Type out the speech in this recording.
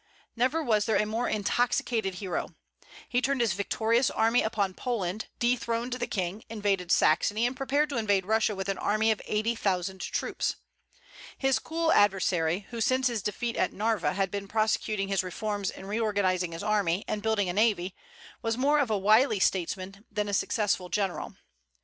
Never was there a more intoxicated hero. He turned his victorious army upon Poland, dethroned the king, invaded Saxony, and prepared to invade Russia with an army of eighty thousand troops. His cool adversary, who since his defeat at Narva had been prosecuting his reforms and reorganizing his army and building a navy, was more of a wily statesman than a successful general.